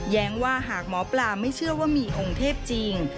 ว่าหากหมอปลาไม่เชื่อว่ามีองค์เทพจริง